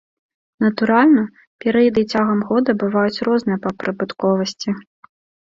Натуральна, перыяды цягам года бываюць розныя па прыбытковасці.